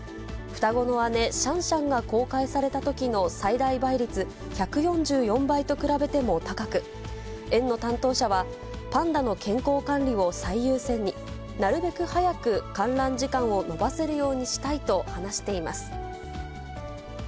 双子の姉、シャンシャンが公開されたときの最大倍率１４４倍と比べても高く、園の担当者は、パンダの健康管理を最優先に、なるべく早く観覧時間を延ばせるようにしたいと話しています。